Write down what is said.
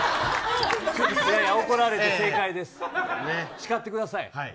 叱ってください。